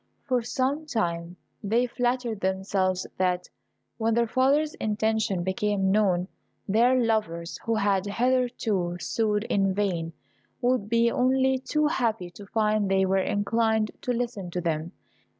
For some time they flattered themselves that, when their father's intention became known, their lovers, who had hitherto sued in vain, would be only too happy to find they were inclined to listen to them.